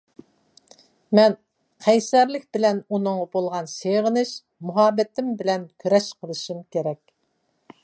مەن قەيسەرلىك بىلەن ئۇنىڭغا بولغان سېغىنىش، مۇھەببىتىم بىلەن كۈرەش قىلىشىم كېرەك.